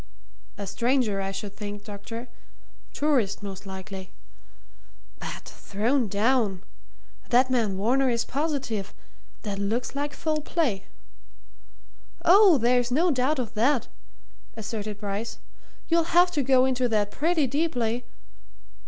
"A stranger, I should think, doctor tourist, most likely. But thrown down! That man Varner is positive. That looks like foul play." "Oh, there's no doubt of that!" asserted Bryce. "You'll have to go into that pretty deeply.